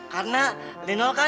karena lino mau teman